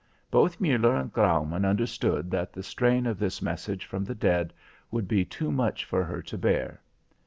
Both Muller and Graumann understood that the strain of this message from the dead would be too much for her to bear.